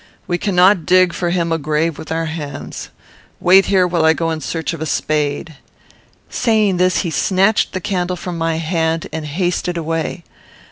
We cannot dig for him a grave with our hands. Wait here, while I go in search of a spade." Saying this, he snatched the candle from my hand, and hasted away.